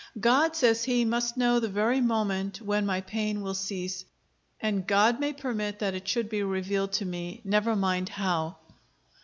"God," says he, "must know the very moment when my pain will cease; and God may permit that it should be revealed to me, never mind how."